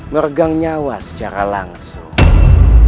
meregang nyawa secara langsung